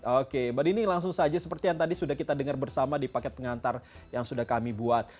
oke mbak dini langsung saja seperti yang tadi sudah kita dengar bersama di paket pengantar yang sudah kami buat